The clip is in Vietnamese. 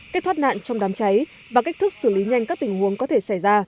cách thoát nạn trong đám cháy và cách thức xử lý nhanh các tình huống có thể xảy ra